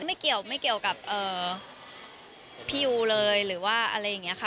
ไม่เกี่ยวกับพี่ยูเลยหรือว่าอะไรอย่างนี้ค่ะ